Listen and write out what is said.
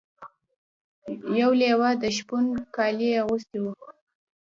یو لیوه د شپون کالي اغوستي وو.